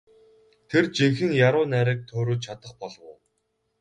Тэр жинхэнэ яруу найраг туурвиж чадах болов уу?